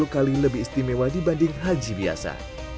tujuh puluh kali lebih istimewa dibanding haji biasa